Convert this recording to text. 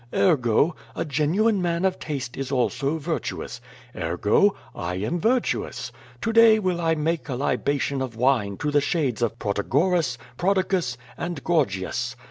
Ergo, a genuine man of taste is also virtuous. Ergo, I am virtuous. To day will I make a libation of wine to the shades of Protagoras, Prodicus, and Gorgias.